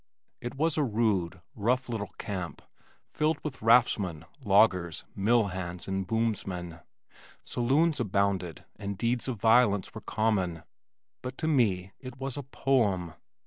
It was a rude, rough little camp filled with raftsmen, loggers, mill hands and boomsmen. Saloons abounded and deeds of violence were common, but to me it was a poem.